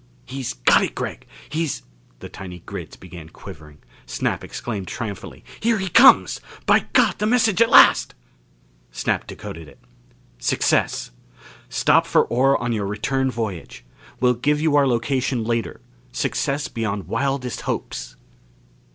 "He's got it, Gregg! He's " The tiny grids began quivering. Snap exclaimed triumphantly, "Here he comes! By God, the message at last!" Snap decoded it. _Success! Stop for ore on your return voyage. Will give you our location later. Success beyond wildest hopes.